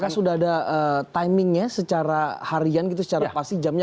apakah sudah ada timingnya secara harian gitu secara pasti jamnya